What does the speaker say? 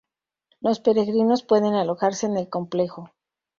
Los peregrinos pueden alojarse en el complejo.